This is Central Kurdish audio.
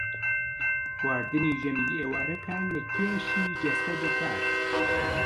خواردنی ژەمی ئێوارە کار لە کێشی جەستە دەکات